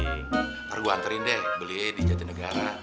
ntar gue anterin deh beliin di jati negara